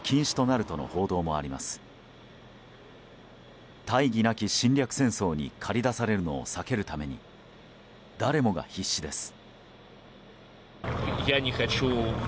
なき侵略戦争に駆り出されるのを避けるために誰もが必死です。